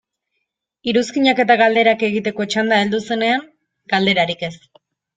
Iruzkinak eta galderak egiteko txanda heldu zenean, galderarik ez.